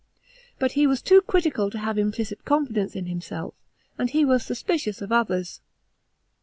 But he was too critical to have implicit confidence in h'mself ;* and he was suspicious of others.